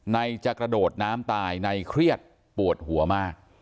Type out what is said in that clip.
ในจะกระโดดน้ำตายในเครียดปวดหัวมาก